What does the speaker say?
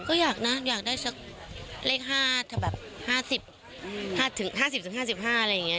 ก็อยากนะอยากได้สักเลข๕ถ้าแบบ๕๐๕๐๕๕อะไรอย่างนี้